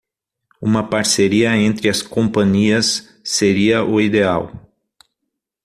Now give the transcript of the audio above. Uma parceria entre as companias seria o ideal.